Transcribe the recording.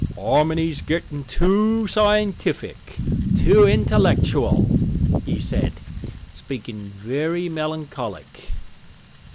"Harmony's getting too scientific, too intellectual," he said, speaking very melancholic.